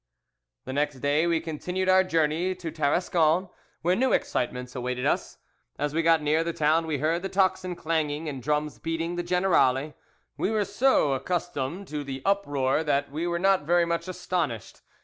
"The next day we continued our journey to Tarascon, where new excitements awaited us. As we got near the town we heard the tocsin clanging and drums beating the generale. We were getting so accustomed to the uproar that we were not very much astonished.